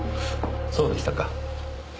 そうでしたか。